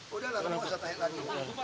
udah lah gak usah tanya lagi